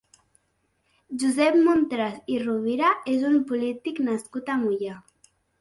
Josep Montràs i Rovira és un polític nascut a Moià.